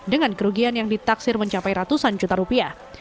dengan kerugian yang ditaksir mencapai ratusan juta rupiah